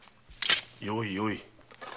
よいよい。